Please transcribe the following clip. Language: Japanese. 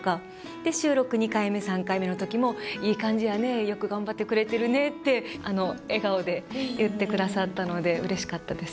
で収録２回目３回目の時も「いい感じやねよく頑張ってくれてるね」ってあの笑顔で言って下さったのでうれしかったです。